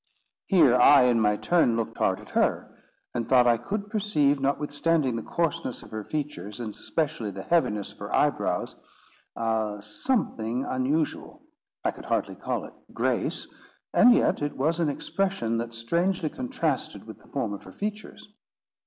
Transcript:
Here I, in my turn, looked hard at her, and thought I could perceive, notwithstanding the coarseness of her features, and especially the heaviness of her eyebrows, a something unusual—I could hardly call it grace, and yet it was an expression that strangely contrasted with the form of her features.